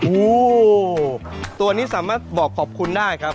โอ้โหตัวนี้สามารถบอกขอบคุณได้ครับ